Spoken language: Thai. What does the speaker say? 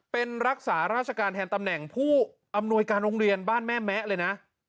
เป็นรักษาราชการแทนตำแหน่งผู้อำนวยการโรงเรียนบ้านแม่แมะเลยนะ